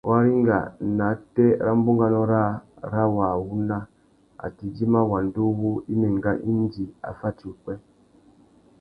Waringa nātê râ bunganô râā râ wa wuna a tà idjima wanda uwú i mà enga indi a fatiya upwê.